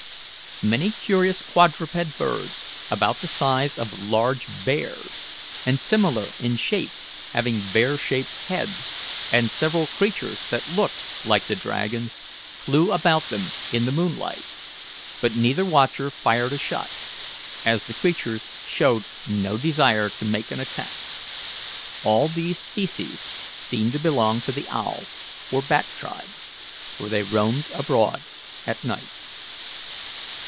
Many curious quadruped birds, about the size of large bears, and similar in shape, having bear shaped heads, and several creatures that looked like the dragons, flew about them in the moonlight; but neither watcher fired a shot, as the creatures showed no desire to make an attack. All these species seemed to belong to the owl or bat tribe, for they roamed abroad at night.